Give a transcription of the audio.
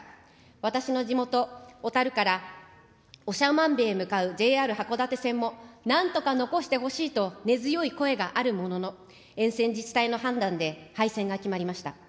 私の地元、小樽から長万部へ向かうＪＲ函館線も、なんとか残してほしいと根強い声があるものの、沿線自治体の判断で、廃線が決まりました。